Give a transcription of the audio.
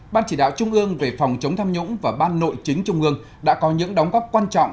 ban chỉ đạo trung ương về phòng chống tham nhũng và ban nội chính trung ương đã có những đóng góp quan trọng